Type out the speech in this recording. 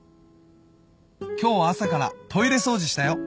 「今日は朝からトイレ掃除したよ！」